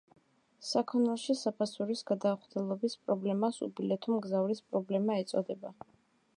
საქონელში საფასურის გადაუხდელობის პრობლემას უბილეთო მგზავრის პრობლემა ეწოდება.